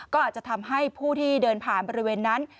ก็อาจจะทำให้ผู้ที่เดินผ่านบริเวณนั้น